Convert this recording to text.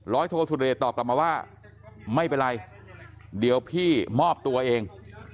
โทสุเดชตอบกลับมาว่าไม่เป็นไรเดี๋ยวพี่มอบตัวเอง